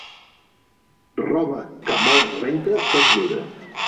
Roba que molt es renta, poc dura.